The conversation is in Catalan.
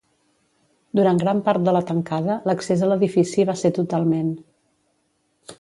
Durant gran part de la tancada, l’accés a l’edifici va ser totalment.